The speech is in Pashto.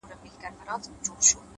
دعا ، دعا ،دعا ، دعا كومه،